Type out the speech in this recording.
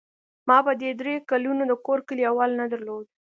ما په دې درېو کلونو د کور کلي احوال نه درلود.